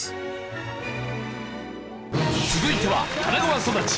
続いては神奈川育ち